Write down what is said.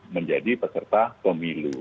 menjadi peserta pemilu